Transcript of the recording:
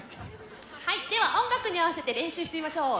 はいでは音楽に合わせて練習してみましょう。